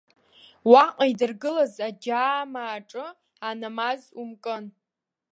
Уаҟа идыргылаз аџьаамаҿы анамаз умкын.